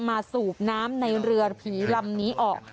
สูบน้ำในเรือผีลำนี้ออก